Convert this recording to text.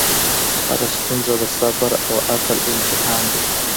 هره ستونزه د صبر او عقل امتحان دی.